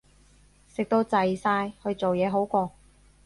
食到滯晒，去做嘢好過